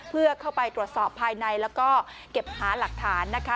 เพื่อเข้าไปตรวจสอบภายในแล้วก็เก็บหาหลักฐานนะคะ